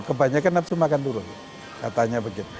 kebanyakan nafsu makan turun katanya begitu